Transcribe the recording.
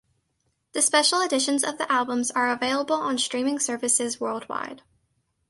The special editions of the albums are available on streaming services worldwide.